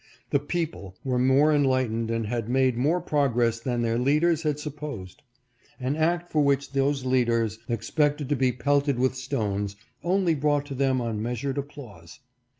The people were more enlightened and had made more progress than their leaders had supposed. An act for which those leaders expected to be pelted with stones, only brought to them unmeasured applause.